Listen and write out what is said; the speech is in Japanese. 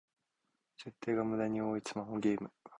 設定がムダに多いスマホゲーム